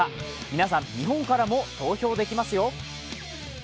皆さん、日本からも投票できますよ。